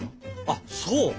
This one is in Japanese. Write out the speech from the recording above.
あっそう。